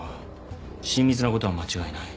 親密なことは間違いない。